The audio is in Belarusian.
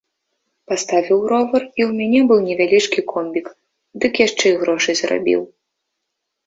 Паставіў ровар, у мяне быў невялічкі комбік, дык яшчэ і грошай зарабіў.